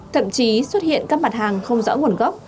thậm chí xuất hiện các mặt hàng không rõ nguồn gốc